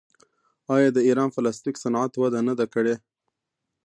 آیا د ایران پلاستیک صنعت وده نه ده کړې؟